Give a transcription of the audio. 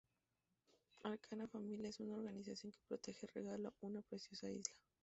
Arcana Famiglia es una organización que protege Regalo, una preciosa isla.